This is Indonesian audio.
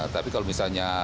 tapi kalau misalnya